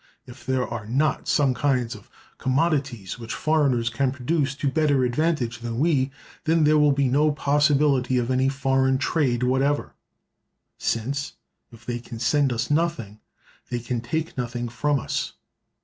If there are not some kinds of commodities which foreigners can produce to better advantage than we, then there will be no possibility of any foreign trade whatever; since, if they can send us nothing, they can take nothing from us.